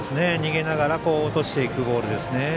逃げながら落としていくボールですね。